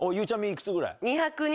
いくつぐらい？